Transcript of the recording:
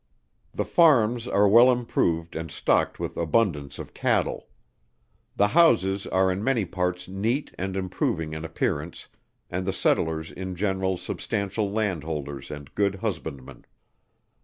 The farms are well improved and stocked with abundance of cattle. The houses are in many parts neat and improving in appearance, and the settlers in general substantial landholders and good husbandman.